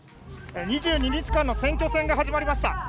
２２日間の選挙戦が始まりました。